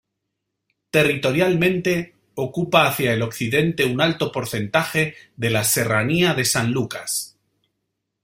Territorialmente ocupa hacia el occidente un alto porcentaje de la Serranía de San Lucas.